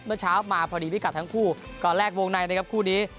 เมื่อเช้ามาพอดีพิกัดทั้งคู่ก่อนแรกวงในนะครับคู่นี้